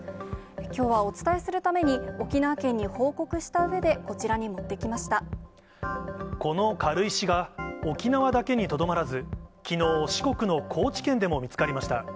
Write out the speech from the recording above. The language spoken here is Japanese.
きょうはお伝えするために、沖縄県に報告したうえで、こちらこの軽石が、沖縄だけにとどまらず、きのう、四国の高知県でも見つかりました。